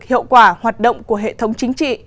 hiệu quả hoạt động của hệ thống chính trị